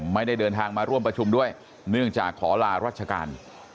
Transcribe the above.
ไม่ได้เดินทางมาร่วมประชุมด้วยเนื่องจากขอลารัชการ